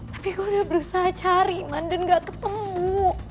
tapi gue udah berusaha cari man dan ga ketemu